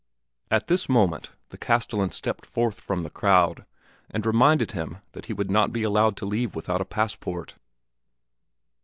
At this moment the castellan stepped forth from the crowd and reminded him that he would not be allowed to leave without a passport.